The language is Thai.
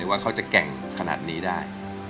ว่าเขาจะแก่งขนาดนี้ได้